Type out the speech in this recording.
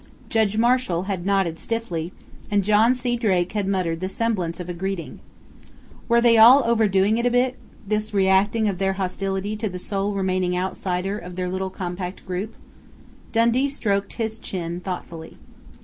Judge Marshall had nodded stiffly, and John C. Drake had muttered the semblance of a greeting.... Were they all overdoing it a bit this reacting of their hostility to the sole remaining outsider of their compact little group?... Dundee stroked his chin thoughtfully.